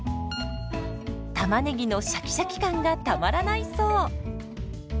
たまねぎのシャキシャキ感がたまらないそう。